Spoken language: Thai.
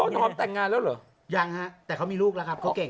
หอมแต่งงานแล้วเหรอยังฮะแต่เขามีลูกแล้วครับเขาเก่ง